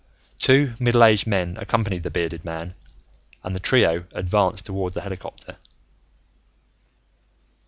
Two middle aged men accompanied the bearded man and the trio advanced toward the helicopter.